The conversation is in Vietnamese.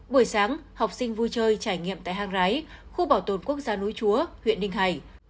buổi sáng học sinh vui chơi trải nghiệm tại hang rái khu bảo tồn quốc gia núi chúa huyện ninh hải